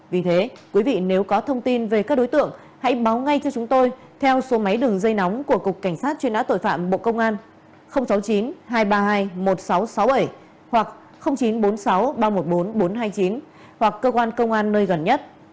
vì thế quý vị nếu có thông tin về các đối tượng hãy báo ngay cho chúng tôi theo số máy đường dây nóng của cục cảnh sát truy nã tội phạm bộ công an sáu mươi chín hai trăm ba mươi hai một nghìn sáu trăm sáu mươi bảy hoặc chín trăm bốn mươi sáu ba trăm một mươi bốn bốn trăm hai mươi chín hoặc cơ quan công an nơi gần nhất